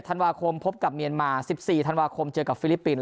ธันวาคมพบกับเมียนมา๑๔ธันวาคมเจอกับฟิลิปปินส